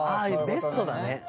ベストだね。